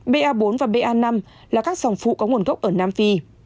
ba bốn và ba năm là các dòng phụ có nguồn gốc ở nam phi